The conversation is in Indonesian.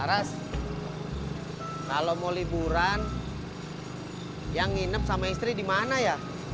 terus kalau mau liburan yang nginep sama istri di mana ya